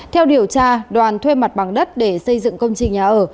theo điều tra đoàn thuê mặt bằng đất để xây dựng công trình nhà ở